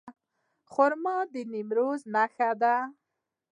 خرما د نیمروز نښه ده.